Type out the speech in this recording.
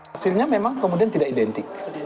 hasilnya memang kemudian tidak identik